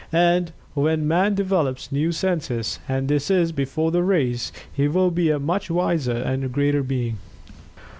And, when man develops new senses and this is before the race he will be a much wiser and greater being.